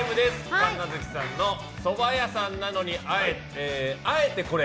神奈月さんのそば店なのに、あえてこれ！